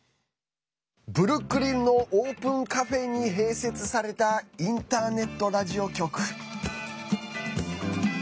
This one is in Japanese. ブルックリンのオープンカフェに併設されたインターネットラジオ局。